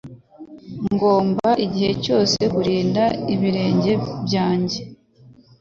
Ngomba igihe cyose kurinda ibirenge byanjye